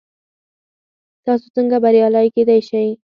تاسو څنګه بریالي کیدی شئ؟